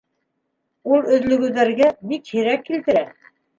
Ул өҙлөгөүҙәргә бик һирәк килтерә.